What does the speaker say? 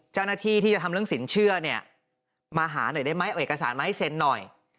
เจ้าหน้าที่ที่จะทำเรื่องสินเชื่อเนี่ยมาหาหน่อยได้ไหมเอาเอกสารมาให้เซ็นหน่อย